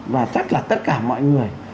và chắc là tất cả mọi người